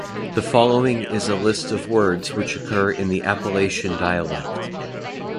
The following is a list of words which occur in the Appalachian dialect.